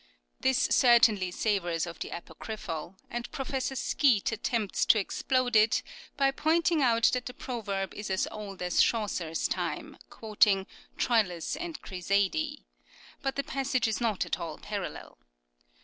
This certainly savours of the apocryphal, and Professor Skeat attempts to explode it by pointing out that the proverb is as old as Chaucer's time, quoting " Troilus and Criseyde," ii. 867 ; but the passage is not at all parallel.